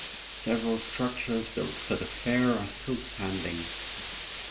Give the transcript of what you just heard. Several structures built for the fair are still standing.